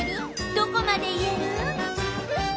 どこまで言える？